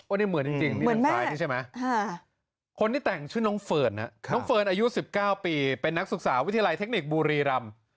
นี่เหมือนจริงนี่เหมือนซ้ายนี่ใช่ไหมคนที่แต่งชื่อน้องเฟิร์นนะน้องเฟิร์นอายุ๑๙ปีเป็นนักศึกษาวิทยาลัยเทคนิคบุรีรำ